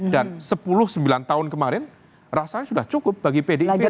dan sepuluh sembilan tahun kemarin rasanya sudah cukup bagi pdip untuk mengerjakan